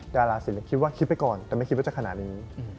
ดาราศิลปคิดว่าคิดไปก่อนแต่ไม่คิดว่าจะขนาดนี้